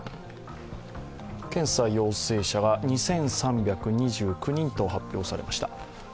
検査陽性者が２３２９人と発表されました。